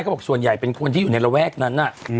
บอกส่วนใหญ่เป็นคนที่อยู่ในระแวกนั้น